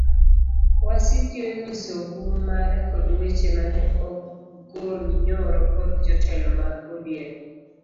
Wasiki onyiso hum mare kod weche mane ogol nyoro kod jotelo mag odm